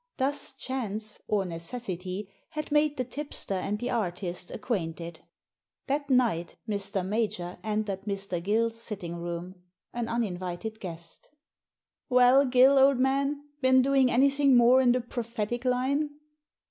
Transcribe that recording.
Thus chance, or neces sity, had made the tipster and the artist acquainted. That night Mr. Major entered Mr. Gill's sitting room, an uninvited guest " Well, Gill, old man, been doing anything more in the prophetic line?"